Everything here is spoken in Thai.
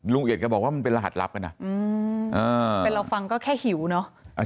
เอียดก็บอกว่ามันเป็นรหัสลับกันนะแต่เราฟังก็แค่หิวเนอะ